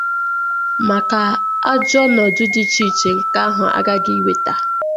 maka ajọ ọnọdụ dị iche iche nke ahụ aghaghị iwèta.